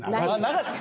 なかった。